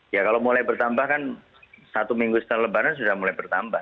ya kalau mulai bertambah kan satu minggu setelah lebaran sudah mulai bertambah